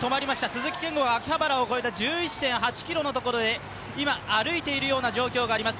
鈴木健吾が秋葉原を超えた１１．８ｋｍのところで今、歩いているような状況があります。